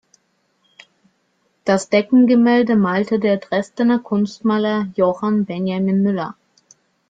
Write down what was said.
Das Deckengemälde malte der Dresdener Kunstmaler Johann Benjamin Müller.